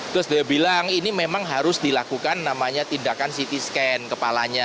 terus dia bilang ini memang harus dilakukan namanya tindakan ct scan kepalanya